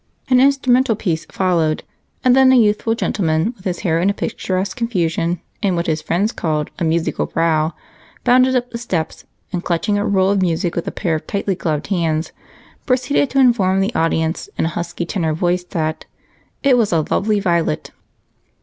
An instrumental piece followed, and then a youthful gentleman, with his hair in picturesque confusion, and what his friends called a "musical brow," bounded up the steps and, clutching a roll of music with a pair of tightly gloved hands, proceed to inform the audience, in a husky tenor voice, that "It was a lovely violet."